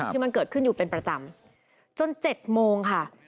ที่มันเกิดขึ้นอยู่เป็นประจำจน๗โมงค่ะ